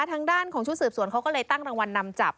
ทางด้านของชุดสืบสวนเขาก็เลยตั้งรางวัลนำจับ